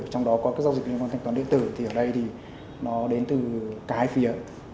trong đó có các giao dịch liên quan thanh toán điện tử thì ở đây thì nó đến từ cái phía